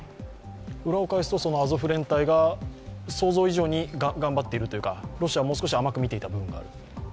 裏を返すと、アゾフ連隊が想像以上に頑張っているというか、ロシア、もう少し甘く見ていた部分がある？